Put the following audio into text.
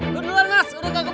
lu duluan mas udah gak keburu